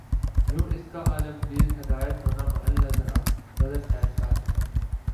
یوں اس کا عالمگیر ہدایت ہونا محل نظر ٹھہرتا ہے۔